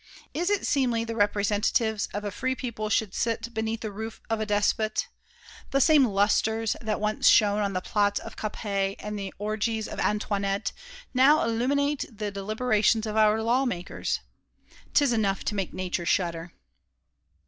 Is it seemly the Representatives of a free people should sit beneath the roof of a despot? The same lustres that once shone on the plots of Capet and the orgies of Antoinette now illumine the deliberations of our law makers. 'Tis enough to make Nature shudder."